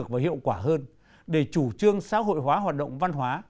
và hiệu quả hơn để chủ trương xã hội hóa hoạt động văn hóa